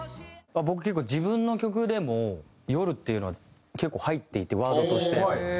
僕結構自分の曲でも「夜」っていうのは結構入っていてワードとして。